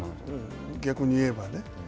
逆に言えばね。